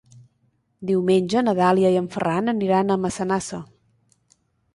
Diumenge na Dàlia i en Ferran aniran a Massanassa.